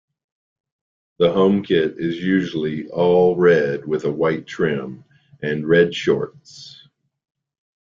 The home kit is usually all red with a white trim, and red shorts.